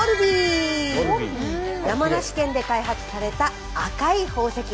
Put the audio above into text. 山梨県で開発された赤い宝石。